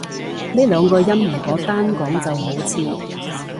呢兩個音如果單講就好似